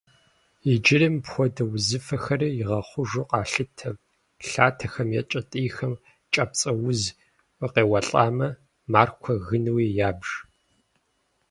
Иджыри мыпхуэдэ узыфэхэри игъэхъужу къалъытэ: лъатэхэм е кӏэтӏийхэм кӏапцӏэуз къеуэлӏамэ, маркуэ гынуи ябж.